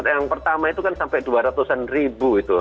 yang pertama itu kan sampai dua ratus an ribu itu